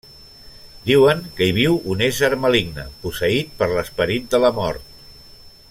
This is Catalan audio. Diuen que hi viu un ésser maligne, posseït per l'esperit de la mort.